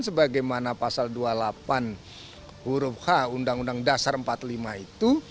sebagaimana pasal dua puluh delapan huruf h undang undang dasar empat puluh lima itu